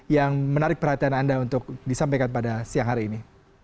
yang menarik perhatian anda untuk disampaikan pada siang hari ini